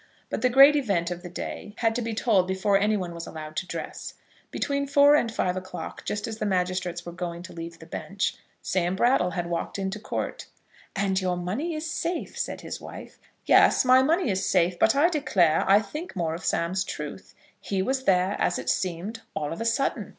But the great event of the day had to be told before anyone was allowed to dress. Between four and five o'clock, just as the magistrates were going to leave the bench, Sam Brattle had walked into Court. "And your money is safe?" said his wife. "Yes, my money is safe; but, I declare, I think more of Sam's truth. He was there, as it seemed, all of a sudden.